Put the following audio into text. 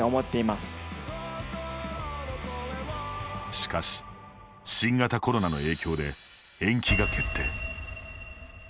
しかし、新型コロナの影響で延期が決定。